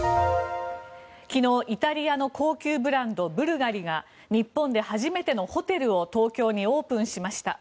昨日、イタリアの高級ブランドブルガリが日本で初めてのホテルを東京でオープンしました。